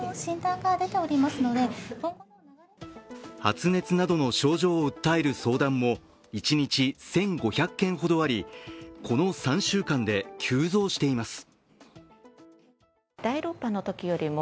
発熱などの症状を訴える相談も一日１５００件ほどあり、この３週間で急増しています。